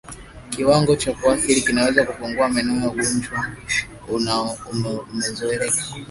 Kiwango cha kuathiri kinaweza kupungua maeneo ugonjwa umezoeleka